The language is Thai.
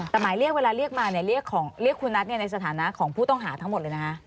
แต่หมายเรียกเวลาเรียกมาเนี่ยเรียกคุณนัทในสถานะของผู้ต้องหาทั้งหมดเลยนะคะ